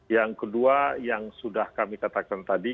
yang kedua yang sudah kami katakan tadi